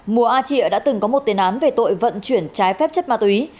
mùa a chịa đã từng có một tên án về tội vận chuyển trái phép chất ma túy